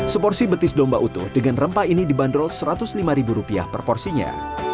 seporsi betis domba utuh dengan rempah ini dibanderol rp satu ratus lima per porsinya